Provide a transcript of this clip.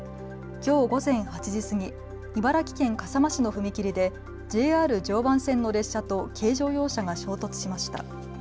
きょう午前８時過ぎ茨城県笠間市の踏切でＪＲ常磐線の列車と軽乗用車が衝突しました。